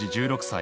１６歳